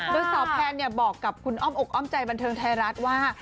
โดยสาวแพนบอกกับคุณอ้อมอกอ้อมใจบันเทิงไทยรัฐว่า